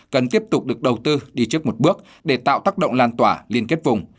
cần tiếp tục được đầu tư đi trước một bước để tạo tác động lan tỏa liên kết vùng